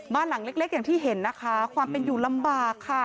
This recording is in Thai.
บ้านหลังเล็กอย่างที่เห็นนะคะความเป็นอยู่ลำบากค่ะ